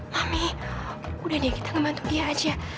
tapi udah deh kita ngebantu dia aja